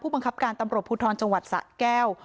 บังคับการตำรวจภูทรจังหวัดสะแก้ว